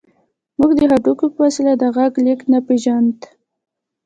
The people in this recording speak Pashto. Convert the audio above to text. موږ د هډوکي په وسيله د غږ لېږد نه پېژاند.